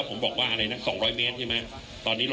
คุณผู้ชมไปฟังผู้ว่ารัฐกาลจังหวัดเชียงรายแถลงตอนนี้ค่ะ